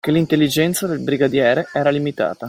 Ché l’intelligenza del brigadiere era limitata